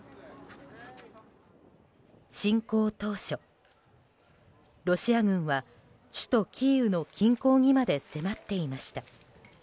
侵攻当初、ロシア軍は首都キーウの近郊にまで迫っていました。